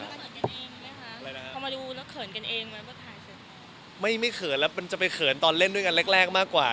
เหมือนไม่เคยแล้วมันจะไปเห็นตอนเล่นด้วยกันเล็กมากกว่า